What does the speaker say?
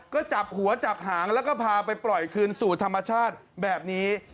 ก็จับหัวจับหางแล้วก็พาไปปล่อยคืนสู่ธรรมชาติแบบนี้